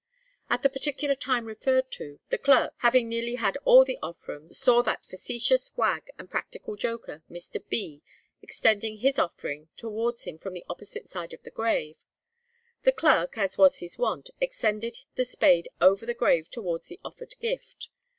At the particular time referred to, the clerk, having nearly had all the offrwm, saw that facetious wag and practical joker, Mr. B., extending his offering towards him from the opposite side of the grave. The clerk, as was his wont, extended the spade over the grave towards the offered gift.